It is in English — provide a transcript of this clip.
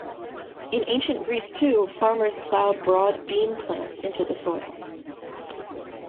In Ancient Greece too, farmers ploughed broad bean plants into the soil.